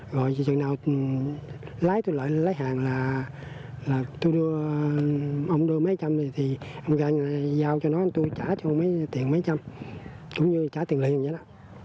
rồi chừng nào lái tôi lại lái hàng là tôi đưa ông đưa mấy trăm thì ông gai giao cho nó tôi trả cho mấy tiền mấy trăm cũng như trả tiền lợi như vậy đó